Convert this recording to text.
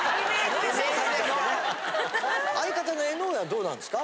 相方の江上はどうなんですか？